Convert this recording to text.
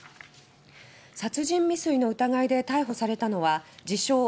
殺人未遂の疑いで逮捕されたのは自称